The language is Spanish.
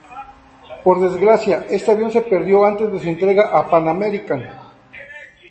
Por desgracia, este avión se perdió antes de su entrega a Pan American.